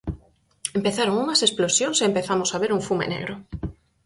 Empezaron unhas explosións e empezamos a ver un fume negro.